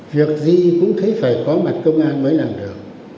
việc gì cũng thấy phải có mặt công an mới làm được